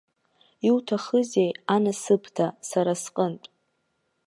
Иуҭахузеи, анасыԥда, сара сҟынтә?